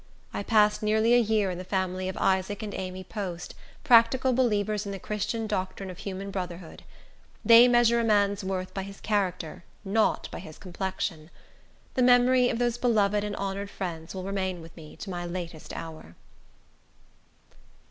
I passed nearly a year in the family of Isaac and Amy Post, practical believers in the Christian doctrine of human brotherhood. They measure a man's worth by his character, not by his complexion. The memory of those beloved and honored friends will remain with me to my latest hour.